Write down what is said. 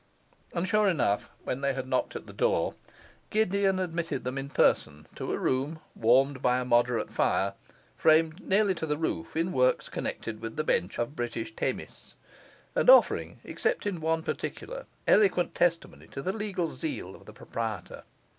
And sure enough, when they had knocked at the door, Gideon admitted them in person to a room, warmed by a moderate fire, framed nearly to the roof in works connected with the bench of British Themis, and offering, except in one particular, eloquent testimony to the legal zeal of the proprietor.